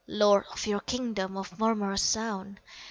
Lord of your kingdom Of murmurous sound.